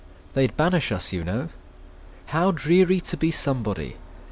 They 'd banish us, you know. How dreary to be somebody!